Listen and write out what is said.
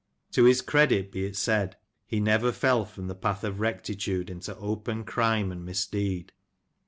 To his credit be it said, he never fell from the path of rectitude into open crime and misdeed.